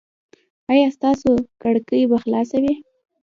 ایا ستاسو کړکۍ به خلاصه وي؟